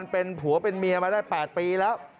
เป็นผัวเป็นเมียมาได้๘ปีแล้ว